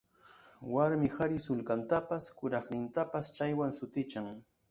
Warmi qari sullkantapas kuraqnintapas chaywan sutichan